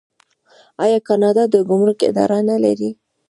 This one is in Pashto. آیا کاناډا د ګمرک اداره نلري؟